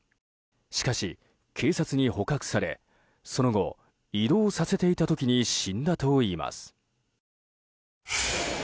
しかし警察に捕獲されその後、移動させていた時に死んだといいます。